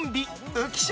浮所